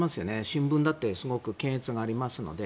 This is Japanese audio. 新聞だってすごく検閲がありますので。